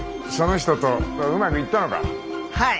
はい！